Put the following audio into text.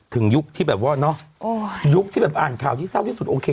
ยุคที่แบบว่าเนอะยุคที่แบบอ่านข่าวที่เศร้าที่สุดโอเค